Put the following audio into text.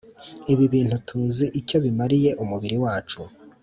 ibi bintu tuzi icyo bimariye umubiri wacu.